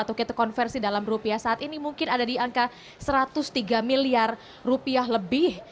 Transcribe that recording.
atau kita konversi dalam rupiah saat ini mungkin ada di angka satu ratus tiga miliar rupiah lebih